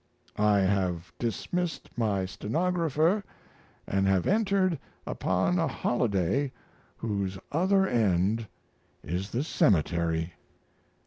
.. I have dismissed my stenographer, & have entered upon a holiday whose other end is the cemetery.